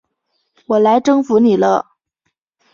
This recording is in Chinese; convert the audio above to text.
我来征服你了！